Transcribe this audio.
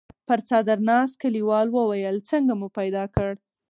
پر څادر ناست کليوال وويل: څنګه مو پيدا کړ؟